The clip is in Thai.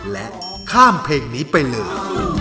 และข้ามเพลงนี้ไปเลย